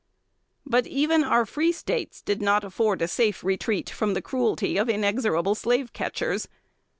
But even our free States did not afford a safe retreat from the cruelty of inexorable slave catchers.